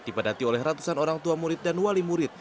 dipadati oleh ratusan orang tua murid dan wali murid